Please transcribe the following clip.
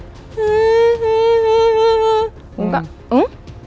แล้วก็อื้อ